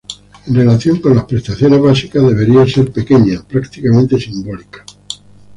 En relación con las prestaciones básicas, debería ser pequeña, prácticamente simbólica.